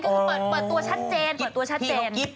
ก็คือเปิดตัวชัดเจน